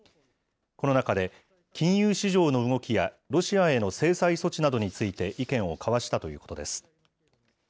この中で、金融市場の動きや、ロシアへの制裁措置などについて意見を交わしたということです。